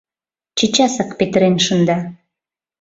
Чечасак петырен шында.